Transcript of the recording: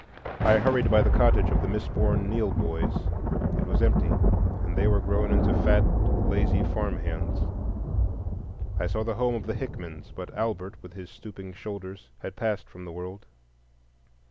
I hurried by the cottage of the misborn Neill boys. It was empty, and they were grown into fat, lazy farm hands. I saw the home of the Hickmans, but Albert, with his stooping shoulders, had passed from the world.